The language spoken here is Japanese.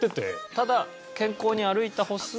ただ。